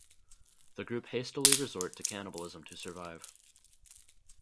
The group hastily resort to cannibalism to survive.